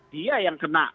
dia yang kena